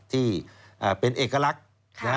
ที่เป็นเอกลักษณ์นะฮะ